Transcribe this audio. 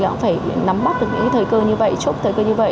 cũng phải nắm bắt được những thời cơ như vậy